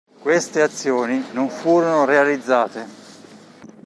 Queste azioni non furono realizzate.